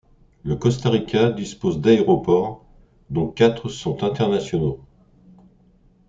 Le Costa Rica dispose d'aéroports, dont quatre sont internationaux.